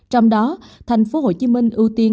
trong đó thành phố hồ chí minh ưu tiên